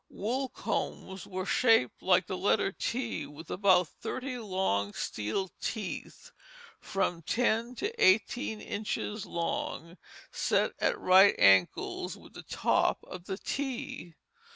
Wool combs were shaped like the letter T, with about thirty long steel teeth from ten to eighteen inches long set at right angles with the top of the T.